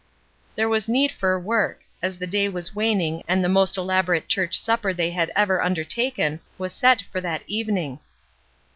There was need for work, as the day was waning and the most elaborate church supper they had ever undertaken was set for that even ing.